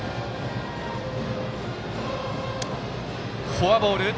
フォアボール。